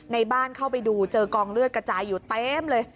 ในบ้านเข้าไปดูเจอกองเลือดกระจายอยู่เต็มเลย